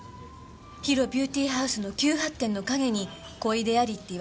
ＨＩＲＯビューティーハウスの急発展の陰に小出ありって言われてるわ。